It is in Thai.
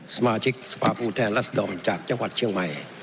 สมาชิกภาคภูมิอุงแทนรัฐสินธรรมจากยังวัดเชียงใหม่